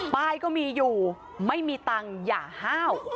ป้ายก็มีอยู่ไม่มีตังค์อย่าห้าว